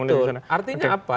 betul artinya apa